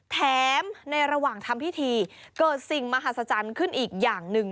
แถมในระหว่างทำพิธีเกิดสิ่งมหัศจรรย์ขึ้นอีกอย่างหนึ่ง